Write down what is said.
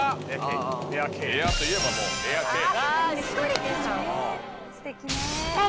「エア」といえばもうエアケイ。